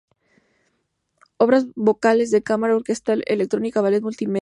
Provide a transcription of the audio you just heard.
Obras: vocales, de cámara, orquestal, electrónica, ballet, multimedia.